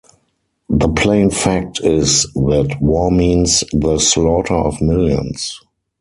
The plain fact is that war means the slaughter of millions.